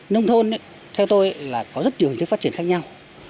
nông thôn theo tôi là có rất nhiều phát triển khác nhau